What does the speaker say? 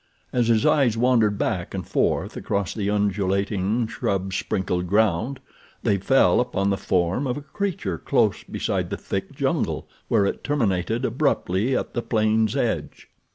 As his eyes wandered back and forth across the undulating, shrub sprinkled ground they fell upon the form of a creature close beside the thick jungle where it terminated abruptly at the plain's edge.